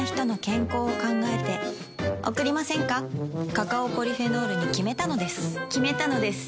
カカオポリフェノールに決めたのです決めたのです。